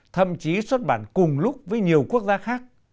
thậm chí xuất bản cùng lúc với nhiều quốc gia khác